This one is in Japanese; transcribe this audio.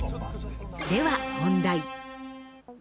では問題。